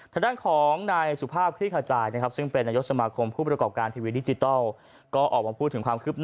ทางด้านของนายสุภาพคลี่ขจายนะครับซึ่งเป็นนายกสมาคมผู้ประกอบการทีวีดิจิทัลก็ออกมาพูดถึงความคืบหน้า